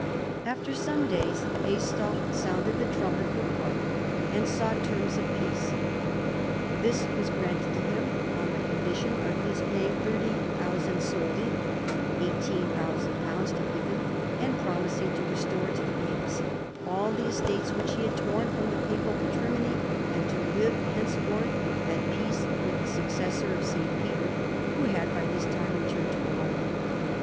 After some days Aistulf sounded the trumpet for parley, and sought terras of peace. This was granted to him on condition of his paying 30,000 soldi (£18,000) to Pippin and prom ising to restore to the papacy all the estates which he had torn from the papal patrimony and to live henceforth at peace with the successor of St. Peter, who had by this time returned to Rome.